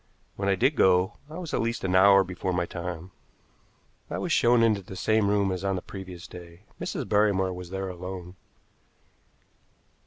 When I did go, I was at least an hour before my time. I was shown into the same room as on the previous day. Mrs. Barrymore was there alone.